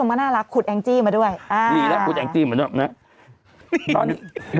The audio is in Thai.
ิ่งมาน่ารักขุดเจ้ามาด้วยอ่าดีนะ